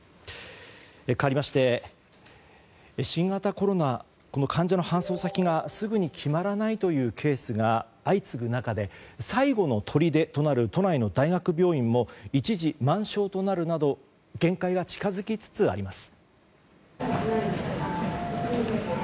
かわりまして新型コロナの患者の搬送先がすぐに決まらないというケースが相次ぐ中で最後のとりでとなる都内の大学病院も一時満床となるなど限界が近づきつつあります。